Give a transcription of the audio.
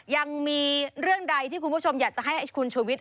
ยังมีเรื่องใดที่คุณผู้ชมอยากจะให้คุณชูวิทย